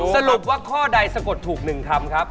สรุปว่าข้อใดสะกดถูก๑คำครับ